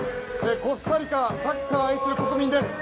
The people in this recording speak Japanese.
コスタリカサッカーを愛する国民です。